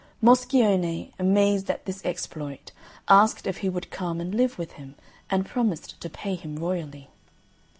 Moscione, amazed at this exploit, asked if he would come and live with him, and promised to pay him royally.